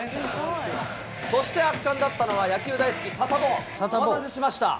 そして圧巻だったのは、野球大好き、サタボー、お待たせしました。